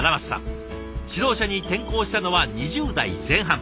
指導者に転向したのは２０代前半。